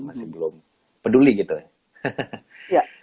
masih belum peduli gitu ya